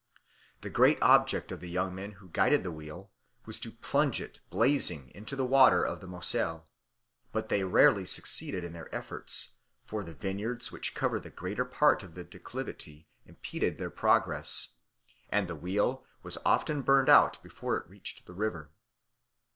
The great object of the young men who guided the wheel was to plunge it blazing into the water of the Moselle; but they rarely succeeded in their efforts, for the vineyards which cover the greater part of the declivity impeded their progress, and the wheel was often burned out before it reached the river.